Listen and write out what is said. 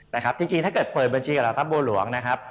นะครับจริงถ้าเกิดเปิดบัญชีกับเหล่าทัพบัวหลวงนะครับ